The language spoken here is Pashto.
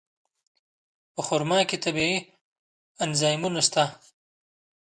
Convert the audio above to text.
په خرما کې طبیعي انزایمونه شته.